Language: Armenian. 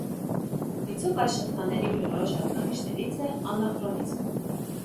Դիցուք այս շղթաներին բնորոշ հատկանիշներից է անախրոնիզմը։